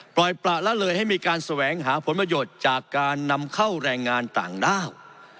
ปล่อยประละเลยให้มีการแสวงหาผลประโยชน์จากการนำเข้าแรงงานต่างด้าว